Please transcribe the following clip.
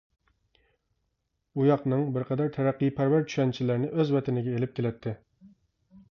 ئۇ ياقنىڭ بىر قەدەر تەرەققىيپەرۋەر چۈشەنچىلەرنى ئۆز ۋەتىنىگە ئېلىپ كېلەتتى.